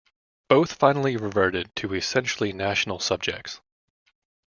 Both finally reverted to essentially national subjects.